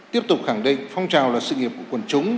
tiếp tục khẳng định phong trào là sự nghiệp của quần chúng